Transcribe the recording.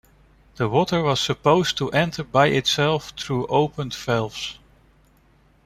The water was supposed to enter by itself through opened valves.